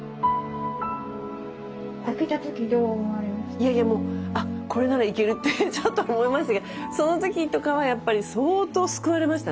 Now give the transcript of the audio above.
いやいやもうあっこれならいけるってちょっと思いましたけどその時とかはやっぱり相当救われましたね。